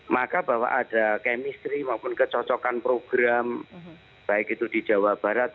maka bahwa ada chemistry maupun kecocokan program baik itu di jawa barat